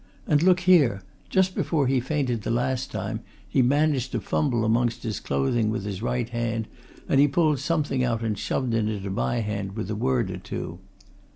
And look here! just before he fainted the last time, he managed to fumble amongst his clothing with his right hand and he pulled something out and shoved it into my hand with a word or two.